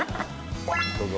どうぞ。